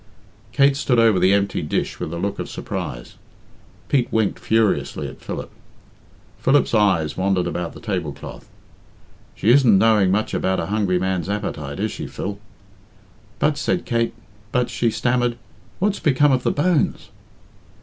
Kate stood over the empty dish with a look of surprise. Pete winked furiously at Philip. Philip's eyes wandered about the tablecloth. "She isn't knowing much about a hungry man's appetite, is she, Phil?" "But," said Kate "but," she stammered "what's become of the bones?"